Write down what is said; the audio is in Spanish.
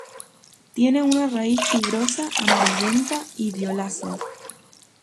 Tiene una raíz fibrosa amarillenta o violácea.